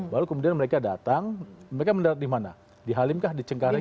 lalu kemudian mereka datang mereka mendarat di mana di halim kah di cengkareng kah